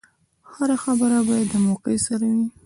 هره خبره باید د موقع سره وي.